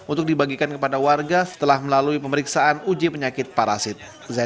untuk dibagikan kepada warga setelah melalui pemeriksaan uji penyakit parasit